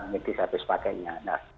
medis dan sebagainya